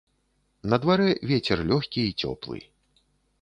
На дварэ вецер лёгкі й цёплы.